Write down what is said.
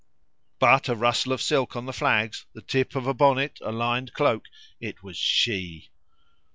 But a rustle of silk on the flags, the tip of a bonnet, a lined cloak it was she!